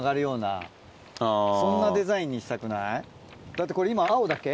だってこれ今青だけ？